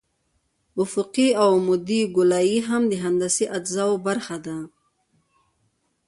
افقي او عمودي ګولایي هم د هندسي اجزاوو برخه ده